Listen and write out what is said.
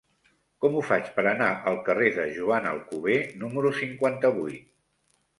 Com ho faig per anar al carrer de Joan Alcover número cinquanta-vuit?